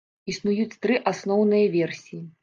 Існуюць тры асноўныя версіі.